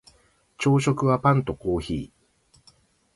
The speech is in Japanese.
朝食はパンとコーヒー